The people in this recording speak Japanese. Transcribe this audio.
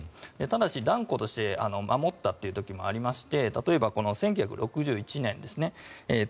ただし断固として守ったという時もありまして例えば、１９６１年ですね。